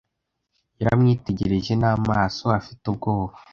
Yaramwitegereje n'amaso afite ubwoba.